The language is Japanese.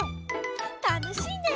たのしいね！